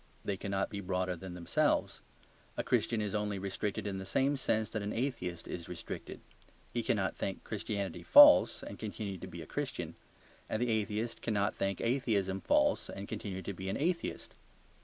They cannot be broader than themselves. A Christian is only restricted in the same sense that an atheist is restricted. He cannot think Christianity false and continue to be a Christian; and the atheist cannot think atheism false and continue to be an atheist.